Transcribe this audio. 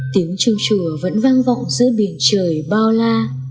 tiếng trong chùa vẫn vang vọng giữa biển trời bao la